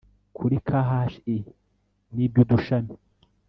kuri khi n iby udushami